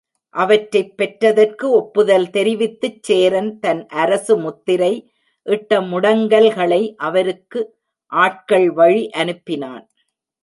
அவற்றைப் பெற்றதற்கு ஒப்புதல் தெரிவித்துச் சேரன் தன் அரசு முத்திரை இட்ட முடங்கல்களை அவருக்கு ஆட்கள் வழி அனுப்பினான்.